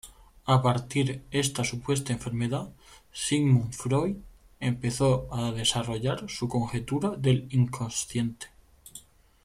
A partir esta supuesta enfermedad, Sigmund Freud empezó a desarrollar su conjetura del inconsciente.